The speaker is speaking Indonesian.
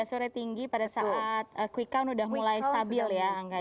sore tinggi pada saat quick count sudah mulai stabil ya angga